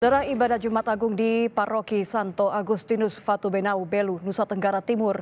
setelah ibadah jumat agung di paroki santo agustinus fatubenau belu nusa tenggara timur